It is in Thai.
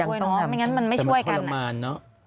ไม่งั้นมันไม่ช่วยกันนะใช่ต้องทำแต่มันทรมานเนอะ